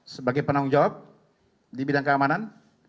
sebagai penanggung jawab di bidang keamanan